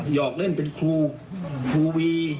หอกเล่นเป็นครูครูวี